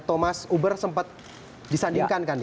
thomas uber sempat disandingkan